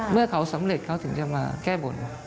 เมื่อเขาสำเร็จเขาถึงจะมาแก้บน